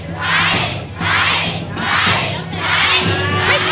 ใช้